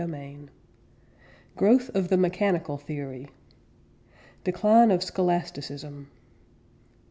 CHAPTER III GROWTH OF THE MECHANICAL THEORY DECLINE OF SCHOLASTICISM.